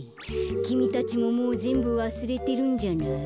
きみたちももうぜんぶわすれてるんじゃない？